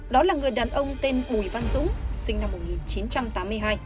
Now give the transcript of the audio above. đó là người đàn ông tên bùi văn dũng sinh năm một nghìn chín trăm tám mươi hai